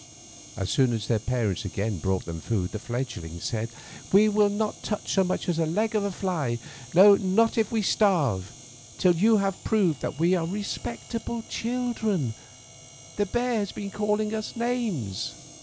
As soon as their parents again brought them food the fiedg lings said, "We will not touch so much as the leg of a fiy — no, not if we starve — till you have proved that we are respectable chil dren. The bear has been calling us names.